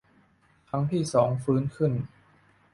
ครั้งที่สองฟื้นขึ้น